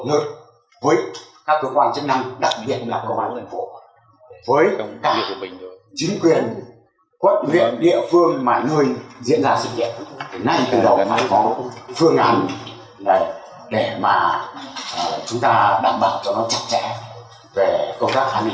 nên từ đầu mới có phương án để mà chúng ta đảm bảo cho nó chặt chẽ về công tác an ninh chặt tự